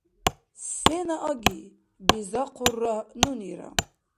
— Сена аги? — бизахъурра нунира.